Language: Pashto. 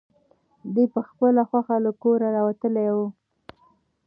دی په خپله خوښه له کوره راوتلی و.